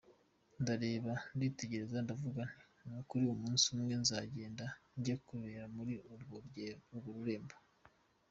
Ndareba, nditegereza, ndavuga nti nukuri umunsi umwe nzagenda njye kwibera muri urwo rurembo.